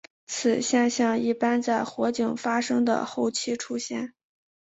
此现象一般在火警发生的后期出现。